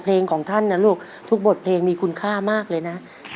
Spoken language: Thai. ของท่านนะลูกทุกบทเพลงมีคุณค่ามากเลยนะ